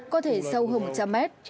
có thể sâu hơn một trăm linh mét